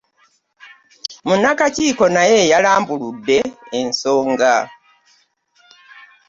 Munnakakiiko naye yalambuludde ensonga